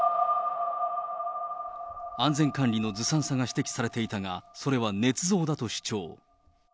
安全管理のずさんさが指摘されていたが、それはねつ造だと主張。